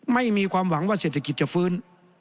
ไม่มีความหวังว่าเศรษฐกิจจะฟื้น